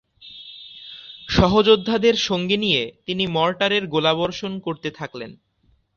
সহযোদ্ধাদের সঙ্গে নিয়ে তিনি মর্টারের গোলাবর্ষণ করতে থাকলেন।